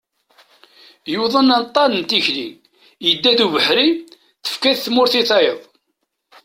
Yuḍen aṭan n tikli, yedda d ubeḥri, tefka-t tmurt i tayeḍ.